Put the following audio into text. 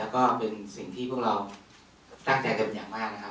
แล้วก็เป็นสิ่งที่พวกเราตั้งใจกันอย่างมากนะครับ